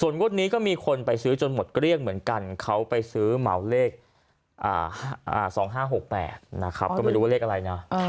งงไปหมดแล้วเนี่ย